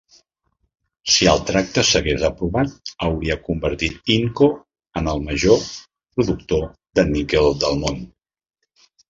Si el tracte s'hagués aprovat, hauria convertit Inco en el major productor de níquel del món.